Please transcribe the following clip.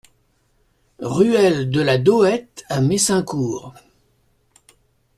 Ruelle de la Dohette à Messincourt